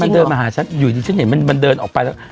เดินมาหาฉันอยู่ดีฉันเห็นมันเดินออกไปแล้ว